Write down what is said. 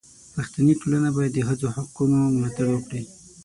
پښتني ټولنه باید د ښځو د حقونو ملاتړ وکړي.